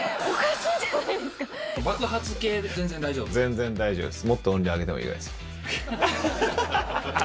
全然大丈夫です。